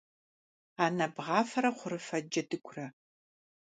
Анэ бгъафэрэ хъурыфэ джэдыгурэ.